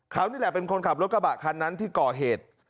เขานี่แหละเป็นคนขับรถกระบะคันนั้นที่ก่อเหตุ